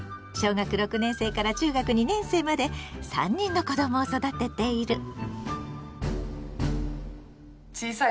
小学６年生から中学２年生まで３人の子どもを育てている。